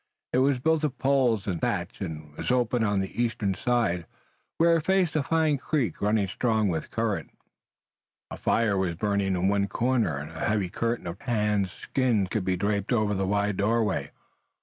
It was built of poles and thatch, and was open on the eastern side, where it faced a fine creek running with a strong current. A fire was burning in one corner, and a heavy curtain of tanned skins could be draped over the wide doorway.